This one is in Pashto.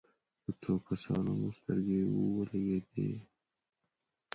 په څو کسانو مو سترګې ولګېدې.